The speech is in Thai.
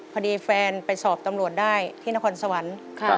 พอดีแฟนไปสอบตำรวจได้ที่นครสวรรค์